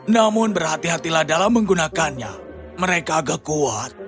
namun berhati hatilah dalam menggunakannya mereka agak kuat